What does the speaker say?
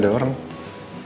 ibu aku mau pergi ke rumah